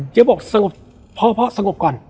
เจ๊บบอกพ่อพ่อสงบก่อน